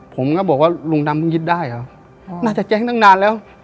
ผมก็บอกว่าลุงดำเพิ่งยึดได้เหรอน่าจะแจ้งตั้งนานแล้ว